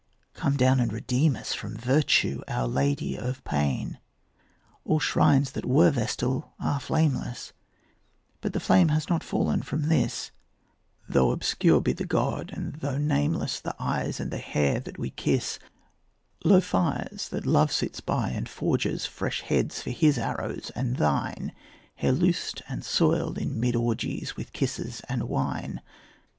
Come down and redeem us from virtue, Our Lady of Pain. All shrines that were Vestal are flameless, But the flame has not fallen from this; Though obscure be the god, and though nameless The eyes and the hair that we kiss; Low fires that love sits by and forges Fresh heads for his arrows and thine; Hair loosened and soiled in mid orgies With kisses and wine.